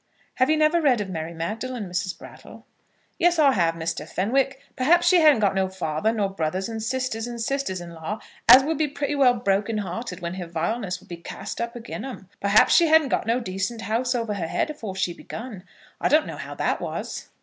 "Have you never read of Mary Magdalen, Mrs. Brattle?" "Yes, I have, Mr. Fenwick. Perhaps she hadn't got no father, nor brothers, and sisters, and sisters in law, as would be pretty well broken hearted when her vileness would be cast up again' 'em. Perhaps she hadn't got no decent house over her head afore she begun. I don't know how that was."